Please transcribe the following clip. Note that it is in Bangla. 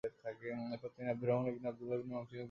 এরপর তিনি আব্দুর রহমান ইবনে আবদুল্লাহ আল-মাখজুমিকে বিয়ে করেন।